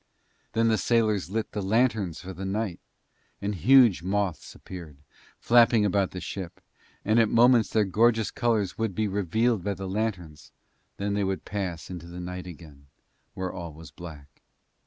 Then the sailors lit the lanterns for the night, and huge moths appeared, flapping about the ship, and at moments their gorgeous colours would be revealed by the lanterns, then they would pass into the night again, where all was black.